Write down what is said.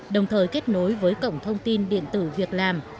đồng thời kết nối với cổng thông tin điện tử việc làm